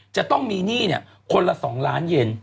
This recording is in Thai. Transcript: จะต้องมีหนี้คนละ๒ล้านเย็น